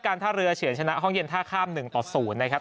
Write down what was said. ท่าเรือเฉินชนะห้องเย็นท่าข้าม๑ต่อ๐นะครับ